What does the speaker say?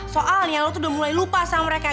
soalnya lo tuh udah mulai lupa sama mereka